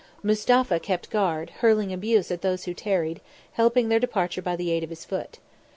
Mustapha kept guard, hurling abuse at those who tarried, helping their departure by the aid of his foot.